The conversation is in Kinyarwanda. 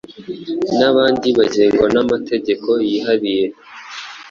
nabandi bagengwa n’amategeko yihariye;